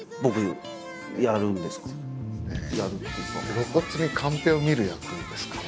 露骨にカンペを見る役ですかね。